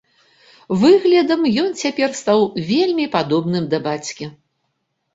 Выглядам ён цяпер стаў вельмі падобным да бацькі.